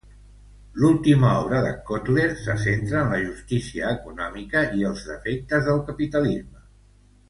L'última obra de Kotler se centra en la justícia econòmica i els defectes del capitalisme.